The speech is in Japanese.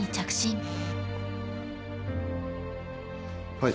はい。